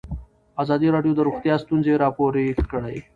ازادي راډیو د روغتیا ستونزې راپور کړي.